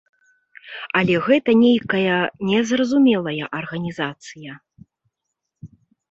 Але гэта нейкая незразумелая арганізацыя.